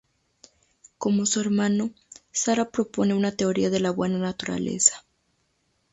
Como su hermano, Sarah propone una teoría de la buena naturaleza.